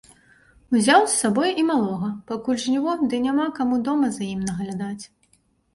Узяў з сабою і малога, пакуль жніво ды няма каму дома за ім наглядаць.